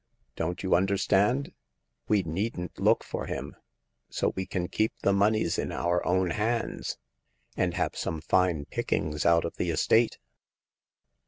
Don't you under stand ? We needn't look for him, so we can keep the moneys in our own hands, and have some fine pickings out of the estate."